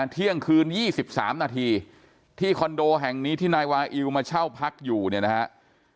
เที่ยงคืน๒๓นาทีที่คอนโดแห่งนี้ที่นายวาอิวมาเช่าพักอยู่เนี่ยนะฮะ